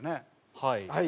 はい。